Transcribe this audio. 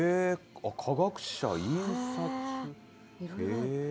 科学者、印刷。